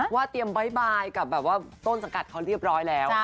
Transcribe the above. เตรียมบ๊ายบายกับแบบว่าต้นสังกัดเขาเรียบร้อยแล้ว